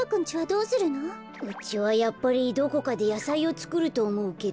うちはやっぱりどこかでやさいをつくるとおもうけど。